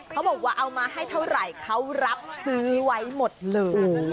เขาบอกว่าเอามาให้เท่าไหร่เขารับซื้อไว้หมดเลย